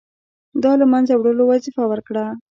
د له منځه وړلو وظیفه ورکړه.